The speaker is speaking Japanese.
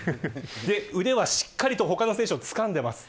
腕はしっかりと他の選手をつかんでいます。